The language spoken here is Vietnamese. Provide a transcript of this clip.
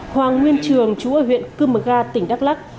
hoàng nguyên trường chú ở huyện cư mờ ga tỉnh đắk lắc